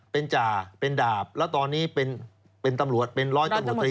เป็นจ่าเป็นดาบแล้วตอนนี้เป็นตำรวจเป็นร้อยตำรวจตรี